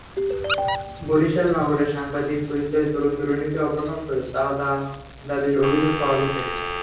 বরিশাল নগরে সাংবাদিক পরিচয়ে তরুণ-তরুণীকে অপহরণ করে চাঁদা দাবির অভিযোগ পাওয়া গেছে।